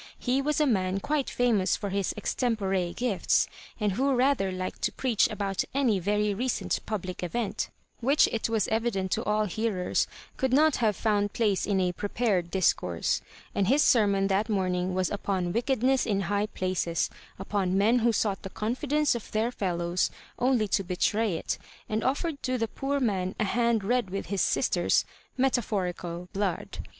He was a man quite famous for his ex tempore gifts, and who rather liked to preach about any very recent public event, whicsh it was evident to all hearers could not have found place in a "prepared" discourse; and his ser mon that morning was upon wickedness in high places, upon men who sought tiie confidence of their fellows only to betray it, and offered to the poor man a hand red with Ms sister's (meta phorical) blood.